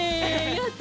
やった！